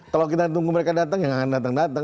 kalau kita tunggu mereka datang ya nggak datang datang